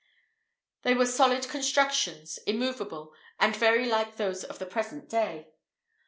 They were solid constructions, immoveable, and very like those of the present day.